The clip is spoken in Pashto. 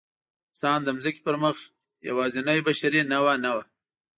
انسان د ځمکې پر مخ یواځینۍ بشري نوعه نه وه.